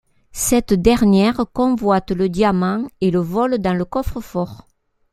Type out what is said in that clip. Cette dernière convoite le diamant et le vole dans le coffre-fort.